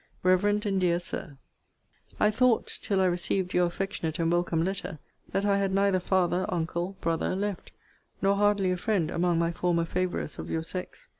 REVEREND AND DEAR SIR, I thought, till I received your affectionate and welcome letter, that I had neither father, uncle, brother left; nor hardly a friend among my former favourers of your sex.